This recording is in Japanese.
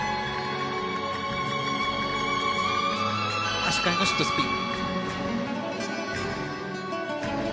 足換えのシットスピン。